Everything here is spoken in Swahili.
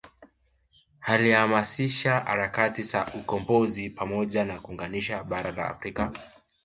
Alihamasisha harakati za ukombozi pamoja na kuunganisha bara la Afrika